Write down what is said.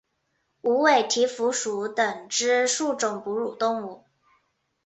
无尾蹄蝠属等之数种哺乳动物。